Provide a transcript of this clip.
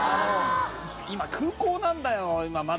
「今空港なんだよ今まだ」とかって。